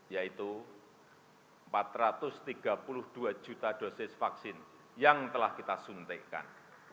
yaitu empat ratus tiga puluh dua juta dosis vaksin yang telah kita suntikan